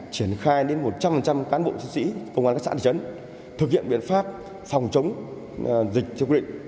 triển khai đến một trăm linh cán bộ chiến sĩ công an các sản chấn thực hiện biện pháp phòng chống dịch